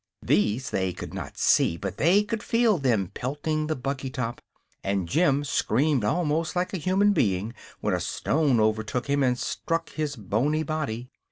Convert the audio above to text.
These they could not see, but they could feel them pelting the buggy top, and Jim screamed almost like a human being when a stone overtook him and struck his boney body.